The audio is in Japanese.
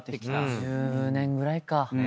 １０年ぐらいか。